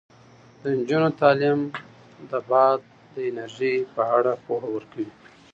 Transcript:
د نجونو تعلیم د باد د انرژۍ په اړه پوهه ورکوي.